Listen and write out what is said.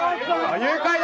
・・誘拐だ！